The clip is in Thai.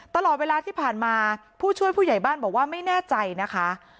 ตลอดเวลาที่ผ่านมาผู้ช่วยผู้ใหญ่บ้านบอกว่าไม่แน่ใจนะคะ